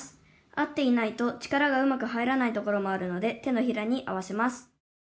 合っていないと力がうまく入らないところもあるので手のひらに合わせます」。